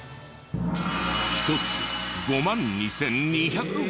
１つ５万２２５０円。